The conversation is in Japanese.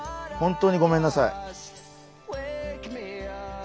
本当にごめんなさい。